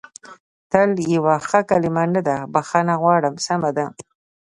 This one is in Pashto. تل یوه ښه کلمه نه ده، بخښنه غواړم، سمه ده.